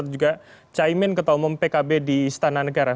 juga caimin ketua umum pkb di istana negara